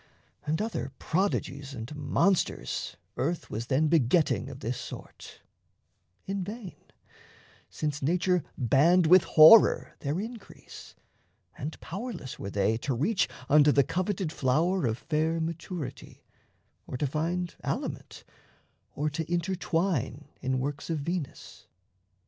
And other prodigies and monsters earth Was then begetting of this sort in vain, Since Nature banned with horror their increase, And powerless were they to reach unto The coveted flower of fair maturity, Or to find aliment, or to intertwine In works of Venus.